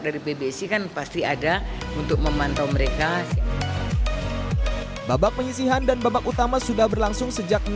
dari pbsi kan pasti ada untuk memantau mereka babak penyisihan dan babak utama sudah berlangsung sejak